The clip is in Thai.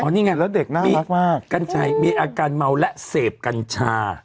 อ๋อนี่ไงแล้วเด็กน่ารักมากก็ใจมีอาการเมุ่าและเสพกันชา